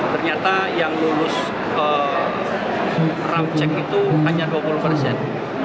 ternyata yang lulus ramcek itu hanya dua puluh persen